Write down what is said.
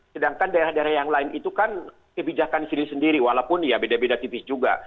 sedangkan daerah daerah yang lain itu kan kebijakan sendiri sendiri walaupun ya beda beda tipis juga